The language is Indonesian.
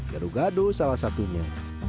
jadul gado salah satunya